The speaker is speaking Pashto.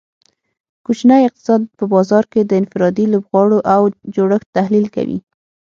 کوچنی اقتصاد په بازار کې د انفرادي لوبغاړو او جوړښت تحلیل کوي